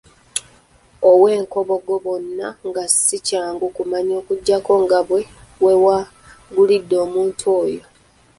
Ow'enkobogo bonna nga si kyangu kumanya okuggyako nga ggwe weewangulidde omuntu oyo.